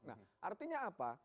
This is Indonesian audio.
nah artinya apa